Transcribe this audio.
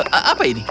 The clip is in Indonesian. hah apa ini